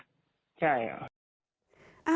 ใช่